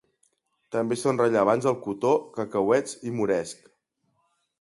També són rellevants el cotó, cacauets i moresc.